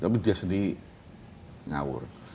tapi dia sendiri ngawur